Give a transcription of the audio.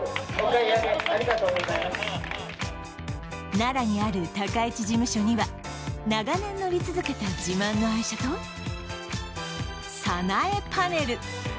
奈良にある高市事務所には、長年乗り続けた自慢の愛車と早苗パネル。